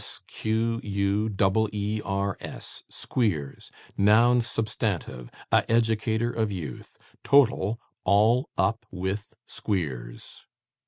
S q u double e r s Squeers, noun substantive, a educator of youth. Total, all up with Squeers!